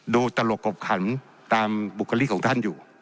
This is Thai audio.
ตลกกบขันตามบุคลิกของท่านอยู่